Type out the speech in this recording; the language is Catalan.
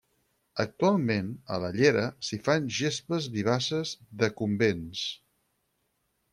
Actualment, a la llera s’hi fan gespes vivaces decumbents.